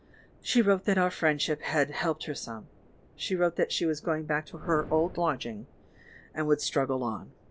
"She wrote that our friend ship had helped her some ; she wrote that she was going back to her old lodging, and would strug gle on.